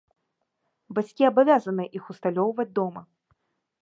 Бацькі абавязаныя іх усталёўваць дома.